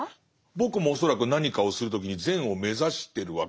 僕も恐らく何かをする時に善を目指してるわけですよね